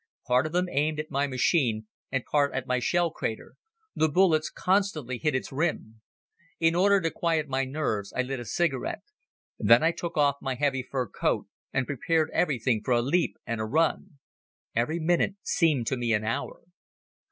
Part of them aimed at my machine and part at my shell crater. The bullets constantly hit its rim. "In order to quiet my nerves I lit a cigarette. Then I took off my heavy fur coat and prepared everything for a leap and a run. Every minute seemed to me an hour.